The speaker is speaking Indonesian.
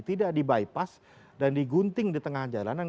tidak di bypass dan digunting di tengah jalanan